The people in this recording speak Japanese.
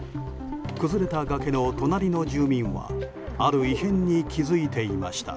崩れた崖の隣の住民はある異変に気付いていました。